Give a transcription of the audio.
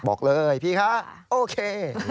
บอกเลยพี่คะโอเค